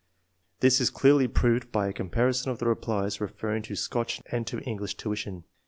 This is clearly proved by a comparison of the replies referring to Scotch and to English tuition.